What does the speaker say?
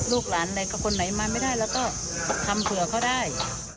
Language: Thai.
ลูกหลานอะไรกับคนไหนมาไม่ได้แล้วก็ทำเผื่อเขาได้